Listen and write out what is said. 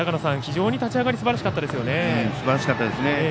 非常に立ち上がりすばらしかったですよね。